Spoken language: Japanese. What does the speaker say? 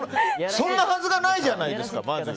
そんなはずがないじゃないですか。